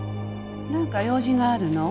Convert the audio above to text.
なんか用事があるの？